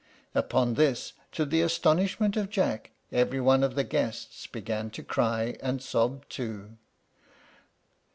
Upon this, to the astonishment of Jack, every one of the guests began to cry and sob too.